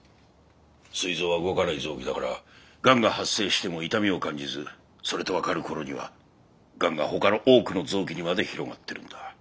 すい臓は動かない臓器だからがんが発生しても痛みを感じずそれと分かる頃にはがんがほかの多くの臓器にまで広がってるんだ。